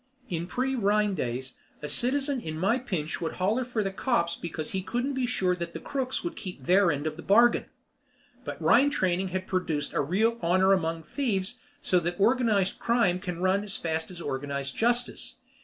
In pre Rhine days, a citizen in my pinch would holler for the cops because he couldn't be sure that the crooks would keep their end of the bargain. But Rhine training has produced a real "Honor Among Thieves" so that organized crime can run as fast as organized justice.